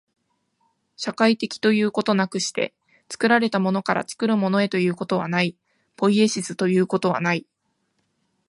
社会的ということなくして、作られたものから作るものへということはない、ポイエシスということはない。